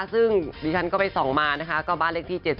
ซึ่งดิฉันก็ไปส่องมานะคะก็บ้านเลขที่๗๒